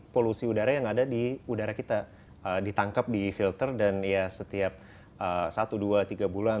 polusi udara yang ada di udara kita ditangkap di filter dan ya setiap satu dua tiga bulan